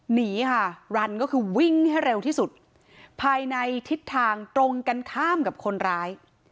หนีค่ะรันก็คือวิ่งให้เร็วที่สุดภายในทิศทางตรงกันข้ามกับคนร้าย